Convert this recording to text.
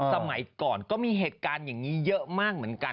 สมัยก่อนก็มีเหตุการณ์อย่างนี้เยอะมาก